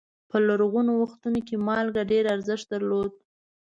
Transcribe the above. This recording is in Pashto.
په لرغونو وختونو کې مالګه ډېر ارزښت درلود.